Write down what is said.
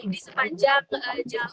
di sepanjang jam